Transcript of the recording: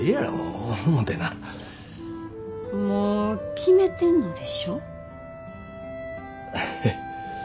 もう決めてんのでしょ？